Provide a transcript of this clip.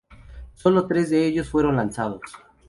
Sólo tres de ellos fueron lanzados.